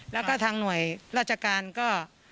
แล้วก็ทางหน่วยราชการก็